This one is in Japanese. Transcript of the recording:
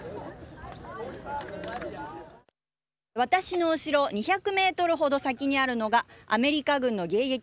私の後ろ２００メートルほど先にあるのがアメリカ軍の迎撃